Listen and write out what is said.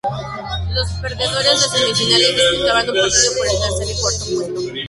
Los perdedores de las semifinales disputaban un partido por el tercer y cuarto puesto.